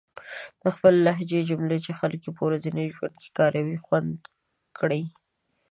د خپلې لهجې جملې چې خلک يې په ورځني ژوند کې کاروي، خوندي کړئ.